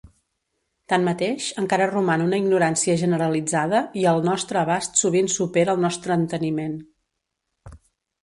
Tanmateix, encara roman una ignorància generalitzada, i el nostre abast sovint supera el nostre enteniment.